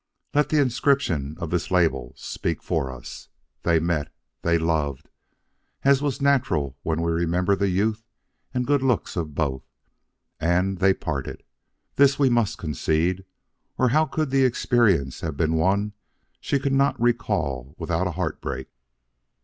Let the inscription of this label speak for us. They met; they loved as was natural when we remember the youth and good looks of both, and they parted. This we must concede, or how could the experience have been one she could not recall without a heart break.